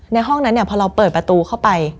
ในห้องนั้นพอเราเปิดประตูเข้าไป